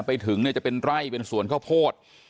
ไปถึงจะเป็นไร่เป็นส่วนข้าวโพด